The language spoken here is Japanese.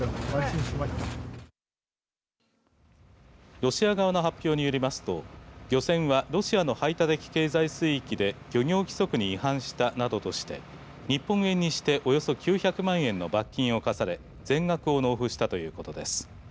ロシア側の発表によりますと漁船はロシアの排他的経済水域で漁業規則に違反したなどとして日本円にしておよそ９００万円の罰金を科され全額を納付したということです。